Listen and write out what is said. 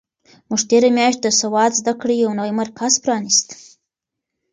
موږ تېره میاشت د سواد زده کړې یو نوی مرکز پرانیست.